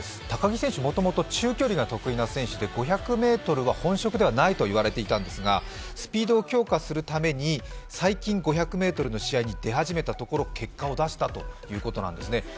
高木選手、もともと中距離が得意な選手で５００ｍは本職ではないと言われていたんですが、スピードを強化するために最近５００ｍの試合に出始めたところ結果を出したということなんですね。